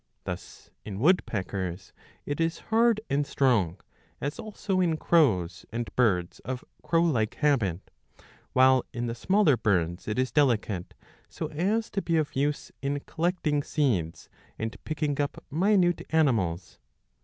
Thus, in woodpeckers^* it is hard and strong, as also in crows and birds of crowlike habit, while in the smaller birds it is delicate, so as to be of use in collecting seeds and picking up minute animals.